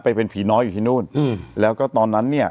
ไปเป็นผีน้อยอยู่ที่นู่นอืมแล้วก็ตอนนั้นเนี่ย